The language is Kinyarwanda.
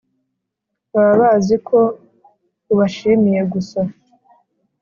Baba bazi ko ubashimiye gusa